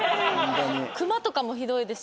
くまとかもひどいですし。